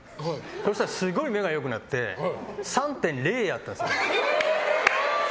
そうしたらすごい目が良くなって３．０あったんです。